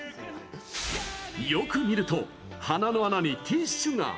よく見ると鼻の穴にティッシュが！